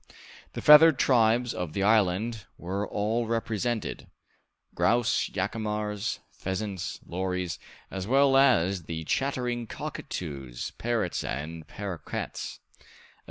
The feathered tribes of the island were all represented grouse, jacamars, pheasants, lories, as well as the chattering cockatoos, parrots, and paroquets.